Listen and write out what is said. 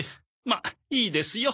まあいいですよ。